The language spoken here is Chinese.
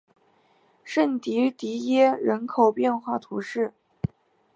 圣迪迪耶人口变化图示